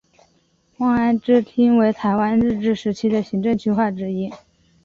望安支厅为台湾日治时期的行政区划之一。